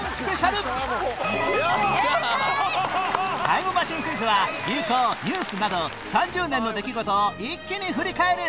タイムマシンクイズは流行ニュースなど３０年の出来事を一気に振り返る